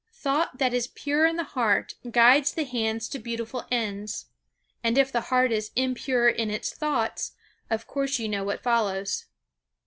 Thought that is pure in the heart guides the hands to beautiful ends. And if the heart is impure in its thoughts, of course you know what follows.